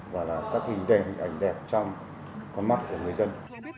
và là các hình ảnh đẹp trong con mắt của người dân